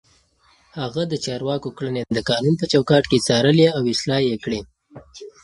هغه د چارواکو کړنې د قانون په چوکاټ کې څارلې او اصلاح يې کړې.